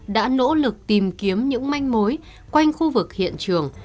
đã nỗ lực tìm kiếm những manh mối quanh khu vực hiện trường